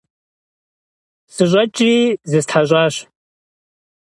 СыщӀэкӀри зыстхьэщӀащ.